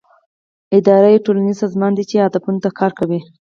اداره یو ټولنیز سازمان دی چې اهدافو ته کار کوي.